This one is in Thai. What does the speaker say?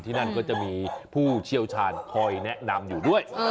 นั่นก็จะมีผู้เชี่ยวชาญคอยแนะนำอยู่ด้วย